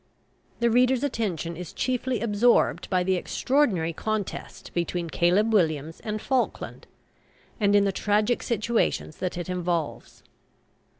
The reader's attention is chiefly absorbed by the extraordinary contest between Caleb Williams and Falkland, and in the tragic situations that it involves.